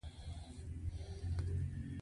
صحي خواړه وخوره .